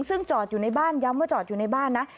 ซึ่งจอดอยู่ในบ้านย้ำว่าจอดอยู่ในบ้านนะ